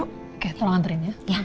oke tolong anterin ya